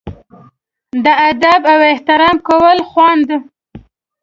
د ادب او احترام کولو خوند.